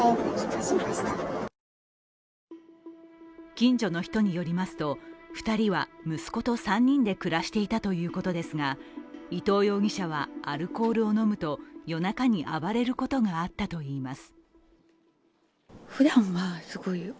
近所の人によりますと２人は息子と３人で暮らしていたということですが伊藤容疑者は、アルコールを飲むと夜中に暴れることがあったといいます。